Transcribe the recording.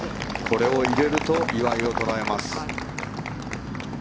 これを入れると岩井を捉えます。